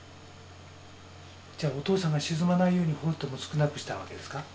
じゃあお父さんが沈まないようにフォルテも少なくしたわけですか？